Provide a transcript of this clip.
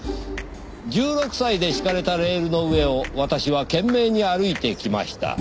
「１６歳で敷かれたレールの上を私は懸命に歩いてきました」